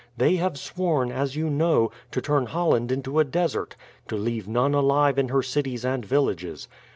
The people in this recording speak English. They have sworn, as you know, to turn Holland into a desert to leave none alive in her cities and villages.